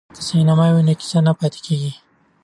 که سینما وي نو کیسه نه پاتیږي.